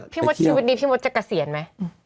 มดชีวิตดีพี่มดจะเกษียณไหม